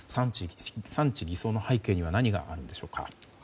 産地偽装の背景には何があるんでしょうか。